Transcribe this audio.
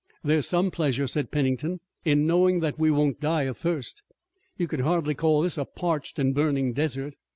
"There's some pleasure," said Pennington, "in knowing that we won't die of thirst. You could hardly call this a parched and burning desert."